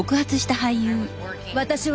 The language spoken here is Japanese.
私は＃